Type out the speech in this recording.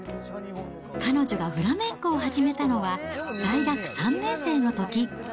彼女がフラメンコを始めたのは、大学３年生のとき。